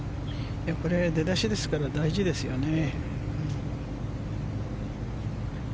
これ、出だしですから大事ですよね。